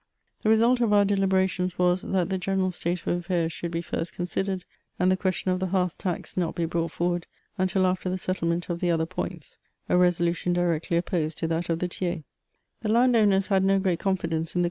The result of our deliberations was, that the g^eneral state of affairs should be first considered, and the question of the hearth tax not be brought forward until after the settlement of the other points ; a resolution directly opposed to that of the Tiers, The landowners had no great conhdence in the.